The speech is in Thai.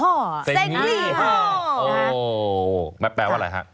โอ้โฮแปลว่าอะไรครับ